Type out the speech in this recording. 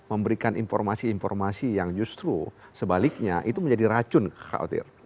kita memberikan informasi informasi yang justru sebaliknya itu menjadi racun kak otir